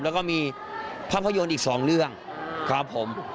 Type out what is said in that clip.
แล้วก็มีภาพยนตร์อีกสองเรื่องครับผม